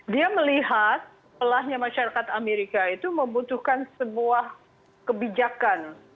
dia melihat pelahnya masyarakat amerika itu membutuhkan sebuah kebijakan